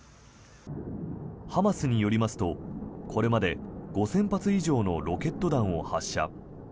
ハマスによりますとこれまで５０００発以上のロケット弾を発射。